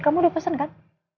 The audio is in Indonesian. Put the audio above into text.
kamu udah pesen kan